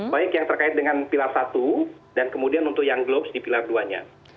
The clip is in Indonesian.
baik yang terkait dengan pilar satu dan kemudian untuk yang globes di pilar dua nya